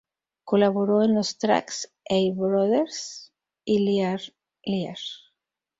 Colaboró en los tracks "Hey Brother" y "Liar Liar".